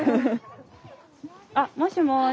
あっもしもし。